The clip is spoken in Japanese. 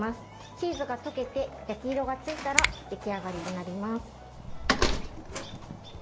チーズが溶けて焼き色がついたら出来上がりになります。